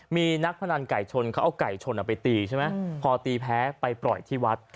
มีนักพนันไก่ชนเขาเอาไก่ชนไปตีใช่ไหมพอตีแพ้ไปปล่อยที่วัด